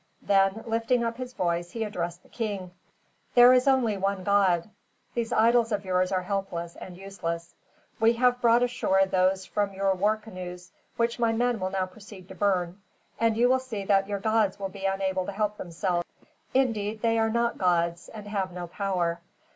Then, lifting up his voice, he addressed the king. "There is only one God. These idols of yours are helpless, and useless. We have brought ashore those from your war canoes, which my men will now proceed to burn, and you will see that your gods will be unable to help themselves. Indeed, they are not gods, and have no power.